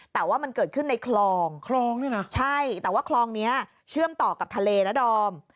แต่ว่ามันเกิดขึ้นในคลองคลองด้วยนะใช่แต่ว่าคลองนี้เชื่อมต่อกับทะเลนะดอม